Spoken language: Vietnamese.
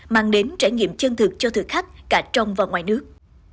mang đến trải nghiệm chân thực cho thực khách cả trong và ngoài nước